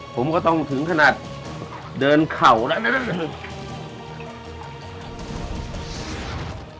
ผมก็ต้องถึงขนาดเดินเข่าแล้วนะ